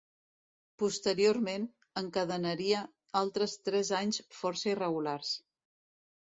Posteriorment, encadenaria altres tres anys força irregulars.